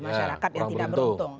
masyarakat yang tidak beruntung